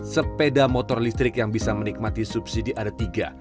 sepeda motor listrik yang bisa menikmati subsidi ada tiga